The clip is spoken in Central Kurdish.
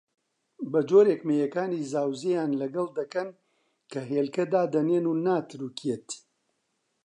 بەجۆرێک مێیەکانی زاوزێیان لەگەڵ دەکەن کە هێلکە دادەنێن و ناتروکێت